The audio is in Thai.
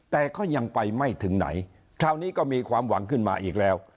แต่ก็ยังไปไม่ถึงไหนคราวนี้ก็มีความหวังขึ้นมาอีกแล้ว